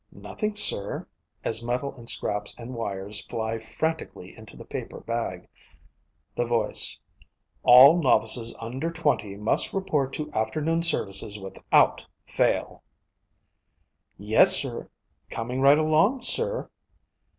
"Nothing, sir," as metal and scraps and wires fly frantically into the paper bag._ The voice: "All novices under twenty must report to afternoon services without fail!" _"Yes, sir. Coming right along, sir."